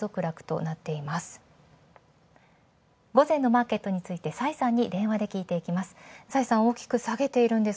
午前のマーケットについて崔さんに電話で聞いていきます。